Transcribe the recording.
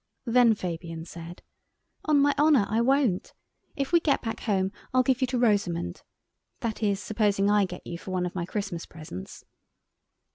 Then Fabian said: "On my honour, I won't. If we get back home I'll give you to Rosamund. That is, supposing I get you for one of my Christmas presents."